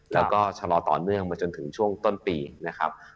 แล้วก็ชะลอต่อเนื่องมาจนถึงช่วงต้นปีนะครับ